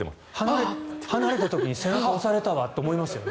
離れた時に背中、押されたわって思いますよね。